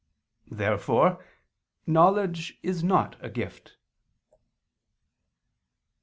Therefore knowledge is not a gift. Obj.